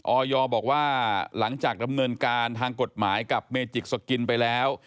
ออยบอกว่าหลังจากดำเนินการทางกฎหมายกับเมจิกสกินไปแล้ว